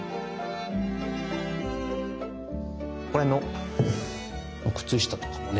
ここら辺の靴下とかもね